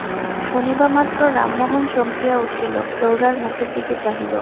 শুনিবামাত্র রামমোহন চমকিয়া উঠিল, প্রৌঢ়ার মুখের দিকে চাহিল।